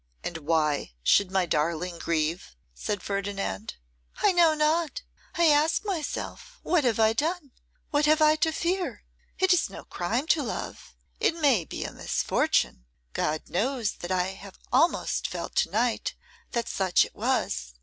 'And why should my darling grieve?' said Ferdinand. 'I know not; I ask myself, what have I done? what have I to fear? It is no crime to love; it may be a misfortune; God knows that I have almost felt to night that such it was.